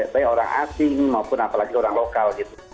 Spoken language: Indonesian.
baik orang asing maupun apalagi orang lokal gitu